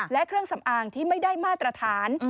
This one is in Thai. และเครื่องสำอางที่ไม่ได้มาตรฐาน